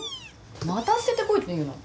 また捨ててこいって言うの？